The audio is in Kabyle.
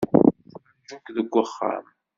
Yettraju-k deg uxxam.